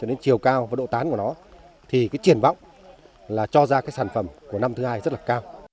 cho đến chiều cao và độ tán của nó thì cái triển vọng là cho ra cái sản phẩm của năm thứ hai rất là cao